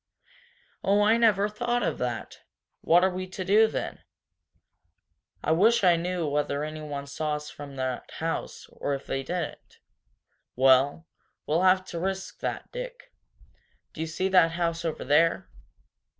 "Oh, I never thought of that! What are we to do, then?' "I wish I knew whether anyone saw us from the house or if they didn't ! Well, we'll have to risk that. Dick, do you see that house over there?